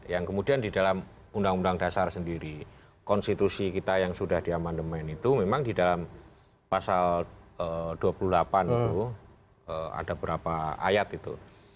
yang kemudian di dalam undang undang dasar sendiri konstitusi kita yang sudah diamandemen itu memang di dalam pasal dua puluh delapan itu ada berapa ayat itu